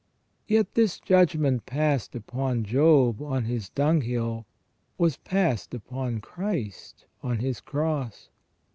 Yet this judgment passed upon Job, on his dunghill, was passed upon Christ on His cross.